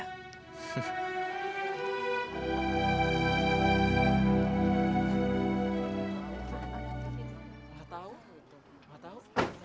gak tau gak tau